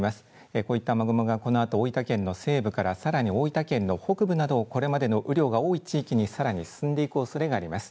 こういった雨雲がこのあと大分県の西部からさらに大分県の北部などこれまでの雨量が多い地域にさらに進んでいくおそれがあります。